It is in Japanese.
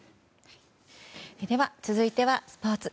続いてはスポーツ。